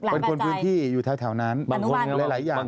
เป็นคนพื้นที่อยู่แถวนั้นบางคนหลายอย่าง